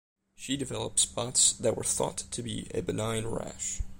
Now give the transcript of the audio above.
She developed spots that were thought to be a benign rash.